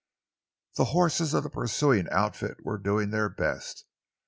The horses of the pursuing outfit were doing their best.